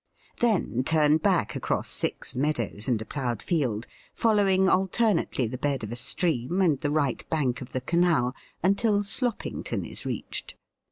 Then turn back across six meadows and a ploughed field, following alternately the bed of a stream and the right bank of the canal until Sloppington is reached.